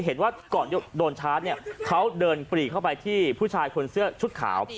เห็นว่าก่อนโดนชาร์จเนี่ยเขาเดินปรีเข้าไปที่ผู้ชายคนเสื้อชุดขาว